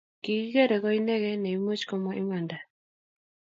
kikikeree koinekee nemuch komwaa imanda